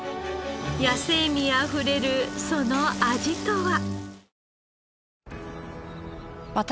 野性味あふれるその味とは？